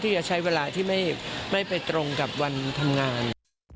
จะใช้เวลาที่ไม่ไปตรงกับวันทำงาน